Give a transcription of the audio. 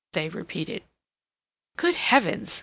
they repeated. "Good Heavens!"